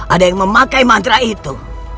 ada yang memakai mantra itu